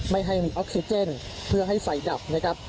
ไม่ให้มีออกซิเจนเพื่อให้ไฟดับนะครับ